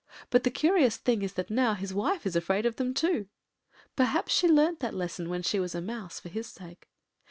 But the curious thing is that now his wife is afraid of them too. Perhaps she learnt that lesson when she was a mouse for his sake.